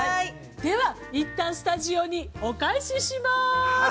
◆では、一旦スタジオにお返ししまーす。